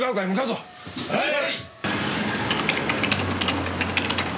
はい！